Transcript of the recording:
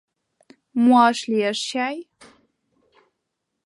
— Муаш лиеш чай...